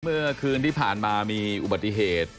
เมื่อคืนที่ผ่านมามีอุบัติเหตุ